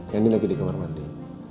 ya andin lagi di kamar mandi